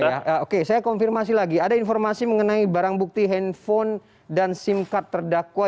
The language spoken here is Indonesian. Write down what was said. ya oke saya konfirmasi lagi ada informasi mengenai barang bukti handphone dan sim card terdakwa